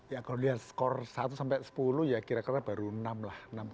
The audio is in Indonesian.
ya kalau lihat skor satu sampai sepuluh ya kira kira baru enam lah